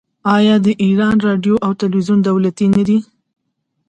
آیا د ایران راډیو او تلویزیون دولتي نه دي؟